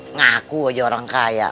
ngaku aja orang kaya